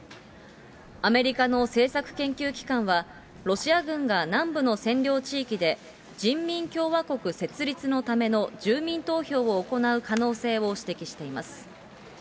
アメリカの政策研究機関はロシア軍が南部の占領地域で、人民共和国設立のための住民投票を行う可能性を指摘しています。